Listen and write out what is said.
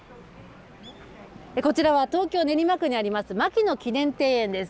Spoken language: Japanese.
こちらは東京・練馬区にあります牧野記念庭園です。